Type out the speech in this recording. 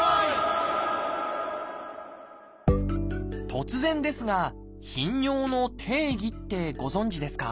突然ですが頻尿の定義ってご存じですか？